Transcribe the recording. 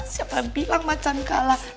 siapa bilang macam kalah